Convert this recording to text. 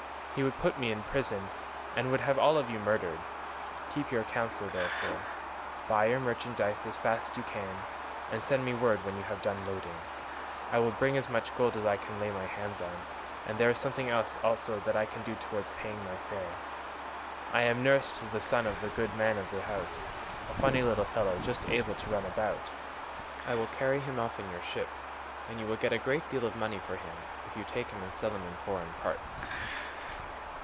He would put me in prison, and would have all of you murdered; keep your own counsel therefore; buy your merchandise as fast as you can, and send me word when you have done loading. I will bring as much gold as I can lay my hands on, and there is something else also that I can do towards paying my fare. I am nurse to the son of the good man of the house, a funny little fellow just able to run about. I will carry him off in your ship, and you will get a great deal of money for him if you take him and sell him in foreign parts.